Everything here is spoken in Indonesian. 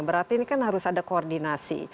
berarti ini kan harus ada koordinasi